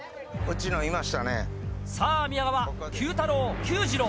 さぁ宮川Ｑ太郎Ｑ次郎